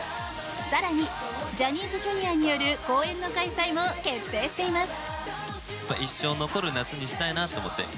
更に、ジャニーズＪｒ．による公演の開催も決定しています。